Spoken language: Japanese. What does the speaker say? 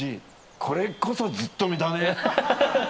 これこそずっとみだね。